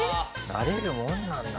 なれるもんなんだな。